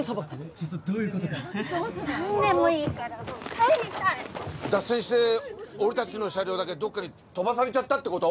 ちょっとどういうことかえっ何でもいいからもう帰りたい脱線して俺達の車両だけどっかに飛ばされちゃったってこと？